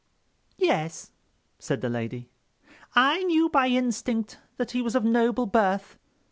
"Yes," said the lady. "I knew by instinct that he was of noble birth."